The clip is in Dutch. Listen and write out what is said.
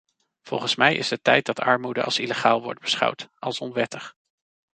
Volgens mij is het tijd dat armoede als illegaal wordt beschouwd, als onwettig.